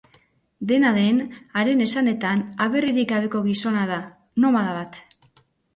Dena den, haren esanetan, aberririk gabeko gizona da, nomada bat.